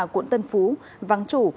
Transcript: quận tân phú vắng chủ